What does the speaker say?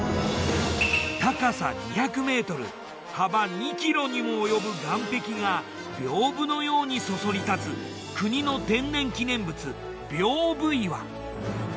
高さ２００ｍ幅２ｋｍにも及ぶ岩壁が屏風のようにそそり立つ国の天然記念物屏風岩。